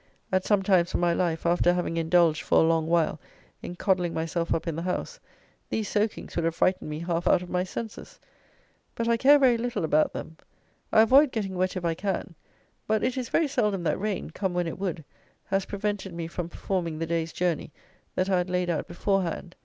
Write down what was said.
At some times of my life, after having indulged for a long while in codling myself up in the house, these soakings would have frightened me half out of my senses; but I care very little about them: I avoid getting wet if I can; but it is very seldom that rain, come when it would, has prevented me from performing the day's journey that I had laid out beforehand.